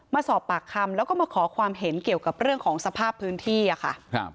มาสอบปากคำแล้วก็มาขอความเห็นเกี่ยวกับเรื่องของสภาพพื้นที่อะค่ะ